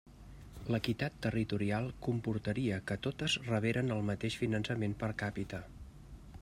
L'equitat territorial comportaria que totes reberen el mateix finançament per càpita.